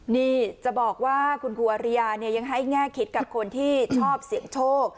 นี่จะบอกว่าคุณครูอริยาเนี่ยยังให้แง่คิดกับคนที่ชอบเสี่ยงโชค